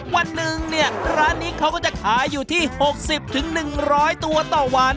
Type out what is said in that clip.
วันหนึ่งเนี่ยร้านนี้เขาก็จะขายอยู่ที่๖๐๑๐๐ตัวต่อวัน